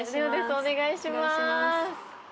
お願いします。